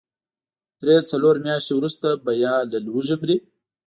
درې، څلور مياشتې وروسته به يا له لوږې مري.